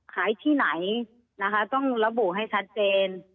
ขายที่ไหนนะคะต้องระบุให้ชัดเจน